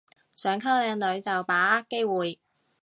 想溝靚女就把握機會